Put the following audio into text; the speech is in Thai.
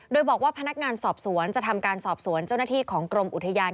โดยบอกว่าพนักงานสอบสวนจะทำการสอบสวนเจ้าหน้าที่ของกรมอุทยาน